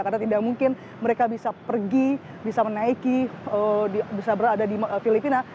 karena tidak mungkin mereka bisa pergi bisa menaiki bisa berada di filipina